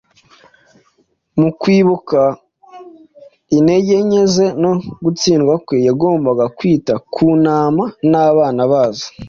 mu kwibuka intege nke ze no gutsindwa kwe, yagombaga kwita ku ntama n’abana bazo